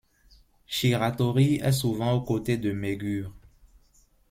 Shiratori est souvent aux côtés de Megure.